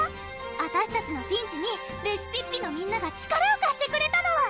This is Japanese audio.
あたしたちのピンチにレシピッピのみんなが力をかしてくれたの！